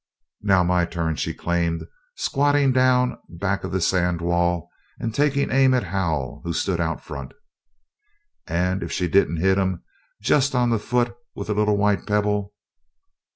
"Now, my turn," she claimed, squatting down back of the sand wall and taking aim at Hal, who stood out front. And if she didn't hit him just on the foot with a little white pebble!